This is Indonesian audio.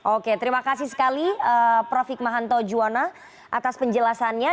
oke terima kasih sekali prof hikmahanto juwana atas penjelasannya